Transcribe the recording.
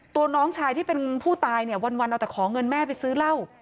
น้องชายที่เป็นผู้ตายเนี่ยวันเอาแต่ขอเงินแม่ไปซื้อเหล้า